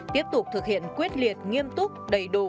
tiếp tục thực hiện quyết liệt nghiêm túc đầy đủ